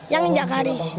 yang nginjak garis